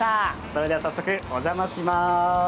それでは早速お邪魔します。